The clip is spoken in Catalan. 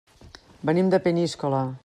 Venim de Peníscola.